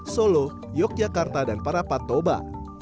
solo yogyakarta dan parapatoba